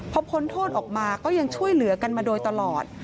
พอพ้นโทษออกมาก็ยังช่วยเหลือกันมาโดยตลอด